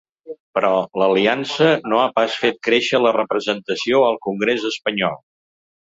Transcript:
Però l’aliança no ha pas fet créixer la representació al congrés espanyol.